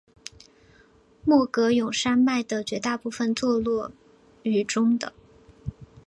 莫戈永山脉的绝大部分坐落于中的。